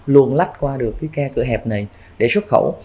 luôn lách qua được cái khe cửa hẹp này để xuất khẩu